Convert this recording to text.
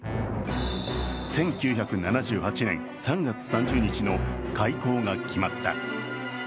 １９７８年３月３０日の開港が決まった。